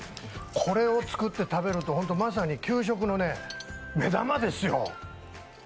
これを作って食べるとまさに給食の目玉ですよ。